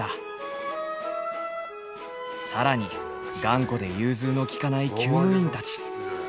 更に頑固で融通の利かないきゅう務員たち。